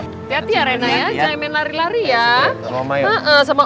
hati hati ya rena ya jangan lari lari ya